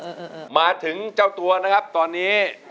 โอ้โหไปทบทวนเนื้อได้โอกาสทองเลยนานทีเดียวเป็นไงครับวาว